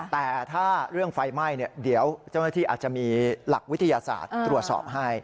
แต่ถ้าเรื่องไฟไหม้เดี๋ยวเจ้าหน้าที่อาจจะมีหลักวิทยาศาสตร์ตรวจสอบให้